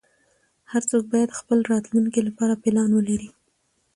هر څوک باید خپل راتلونکې لپاره پلان ولری